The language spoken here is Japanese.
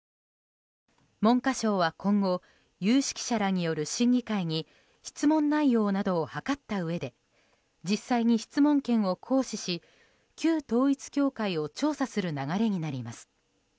文科省は今後有識者らによる審議会に質問内容などを諮ったうえで実際に質問権を行使し旧統一教会を調査する流れになります。